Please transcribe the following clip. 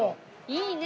いいね！